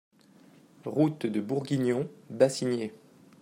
Route de Bourguignon, Bassigney